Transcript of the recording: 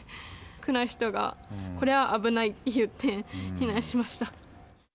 区の人がこれは危ないって言って、避難しました。